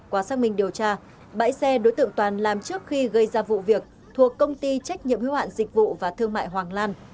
qua xác minh điều tra bãi xe đối tượng toàn làm trước khi gây ra vụ việc thuộc công ty trách nhiệm hữu hạn dịch vụ và thương mại hoàng lan